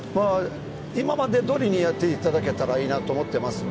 今まで通りにやっていただけたらいいと思います。